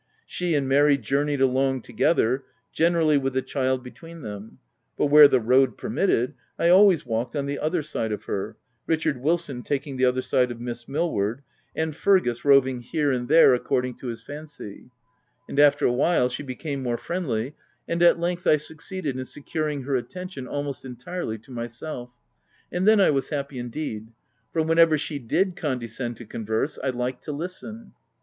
She and Mary journeyed along together, gene rally with the child between them ;— but where the road permitted, I always walked on the other side of her, Richard Wilson taking the other side of Miss Millward, and Fergus roving here and there according to his fancy ; and after a while, she became more friendly, and at length, I succeeded in securing her attention, almost entirely to myself — and then I was happy indeed ; for whenever she did condescend to converse, I liked to listen.